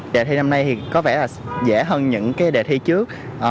đề thi năm nay thì có vẻ là dễ hơn những cái đề thi trước